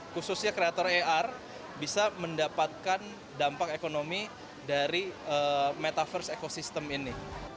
khususnya kreator ar bisa mendapatkan dampak ekonomi dari metaverse ekosistem ini